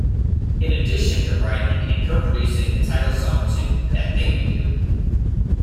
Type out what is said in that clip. In addition to writing and co-producing the title song to That Thing You Do!